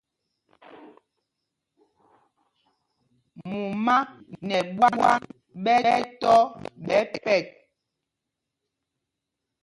Mumá nɛ ɓwân ɓɛ tɔ́ ɓɛ pɛt.